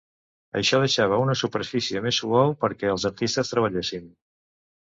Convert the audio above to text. Això deixava una superfície més suau perquè els artistes treballessin.